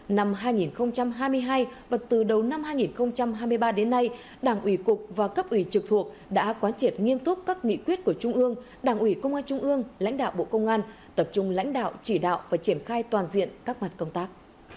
năm hai nghìn hai mươi hai và từ đầu năm hai nghìn hai mươi ba đến nay đảng ủy cục và cấp ủy trực thuộc đã quán triệt nghiêm túc các nghị quyết của trung ương đảng ủy công an trung ương lãnh đạo bộ công an tập trung lãnh đạo chỉ đạo và triển khai toàn diện các mặt công tác